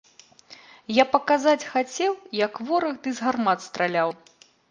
Я паказаць хацеў, як вораг ды з гармат страляў.